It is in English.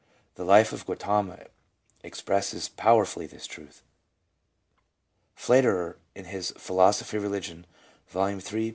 The life of Gautama expresses powerfully this truth. Pfleiderer, in his " Philosophy of Eeligion," Vol. Ill, p.